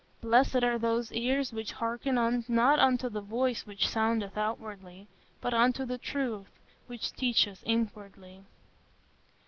Blessed are those ears which hearken not unto the voice which soundeth outwardly, but unto the Truth, which teacheth inwardly."